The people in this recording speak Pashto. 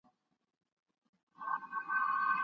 څنګه بې وزله خلګ وکیل نیسي؟